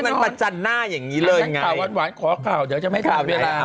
มันประจันหน้าอย่างนี้เลยข่าวหวานขอข่าวเดี๋ยวจะไม่ถามเวลา